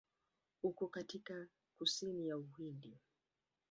Uko katika kusini ya Uhindi.